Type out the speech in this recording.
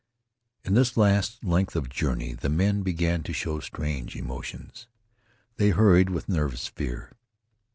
In this last length of journey the men began to show strange emotions. They hurried with nervous fear.